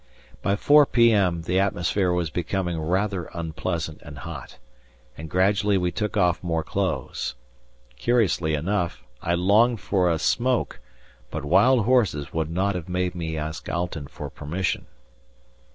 By 4 p.m. the atmosphere was becoming rather unpleasant and hot, and gradually we took off more clothes. Curiously enough, I longed for a smoke, but wild horses would not have made me ask Alten for permission.